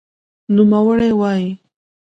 نوموړی وايي